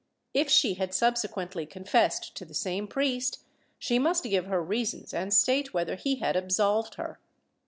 If she had subsequently confessed to the same priest, she must give her reasons and state whether he had absolved her.